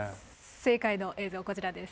正解の映像こちらです。